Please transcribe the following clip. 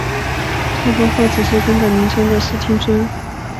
不包括只是更改名称的市町村。